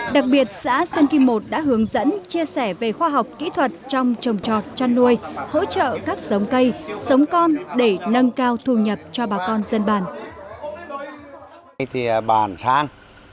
đặc biệt xã sơn kim một đã hướng dẫn chia sẻ về khoa học kỹ thuật trong trồng trọt chăn nuôi hỗ trợ các sống cây sống con để nâng cao thu nhập cho bà con dân bản